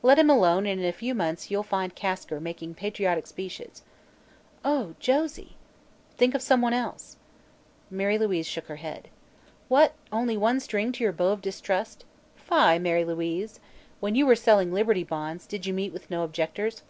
Let him alone and in a few months you'll find Kasker making patriotic speeches." "Oh, Josie!" "Think of someone else." Mary Louise shook her head. "What, only one string to your bow of distrust? Fie, Mary Louise! When you were selling Liberty Bonds, did you meet with no objectors?"